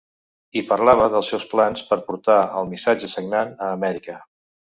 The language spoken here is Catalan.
Hi parlava dels seus plans per portar el "missatge sagnant" a Amèrica.